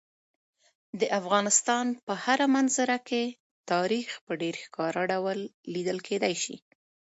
د افغانستان په هره منظره کې تاریخ په ډېر ښکاره ډول لیدل کېدی شي.